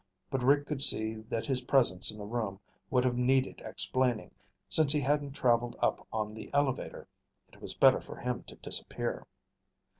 But Rick could see that his presence in the room would have needed explaining, since he hadn't traveled up on the elevator. It was better for him to disappear.